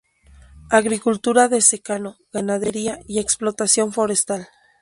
Agricultura de secano, ganadería y explotación forestal.